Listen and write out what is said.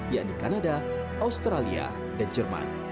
yakni kanada australia dan jerman